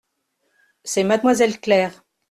C'est mademoiselle Claire.